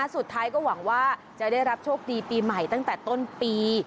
สุดท้ายก็หวังว่าจะได้รับโชคดีปีใหม่ตั้งแต่ต้นปี